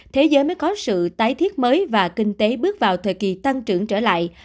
thế giới mới có sự tái thiết mới và kinh tế bước vào thời kỳ tăng trưởng trở lại